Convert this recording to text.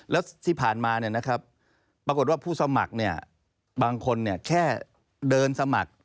แล้วที่ผ่านมาปรากฏว่าผู้สมัครบางคนแค่เดินสมัคร